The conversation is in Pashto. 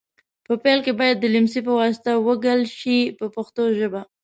په پیل کې باید د لمڅي په واسطه ومږل شي په پښتو ژبه.